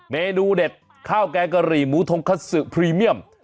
เมนูเด็ดข้าวแกงกะหรี่หมูทงคัสซึพรีเมียม